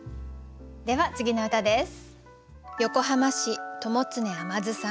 では次の歌です。